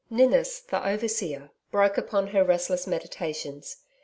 Ninnis, the overseer, broke upon her restless meditations.